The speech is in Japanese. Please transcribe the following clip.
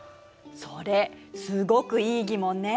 それすごくいい疑問ね。